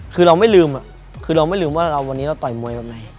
คือเราไม่ลืมคือเราไม่ลืมว่าวันนี้เราต่อยมวยแบบไหน